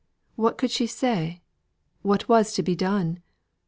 What could she say? What was to be done?